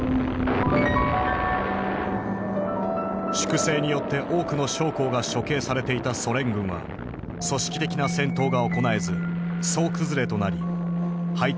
粛清によって多くの将校が処刑されていたソ連軍は組織的な戦闘が行えず総崩れとなり敗退を繰り返した。